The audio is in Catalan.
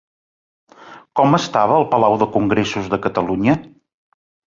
Com estava el Palau de Congressos de Catalunya?